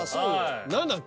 何だっけ？